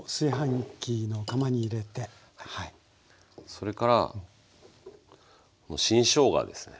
それから新しょうがですね。